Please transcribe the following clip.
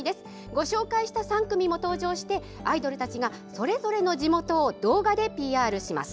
ご紹介した３組も登場して、アイドルたちがそれぞれの地元を動画でＰＲします。